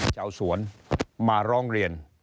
ชาวสวนมาร้องเรียน